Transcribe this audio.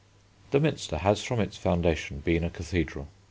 The Minster has from its foundation been a cathedral.